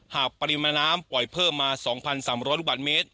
ปริมาณน้ำปล่อยเพิ่มมา๒๓๐๐ลูกบาทเมตร